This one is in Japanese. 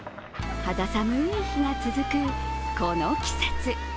肌寒い日が続く、この季節。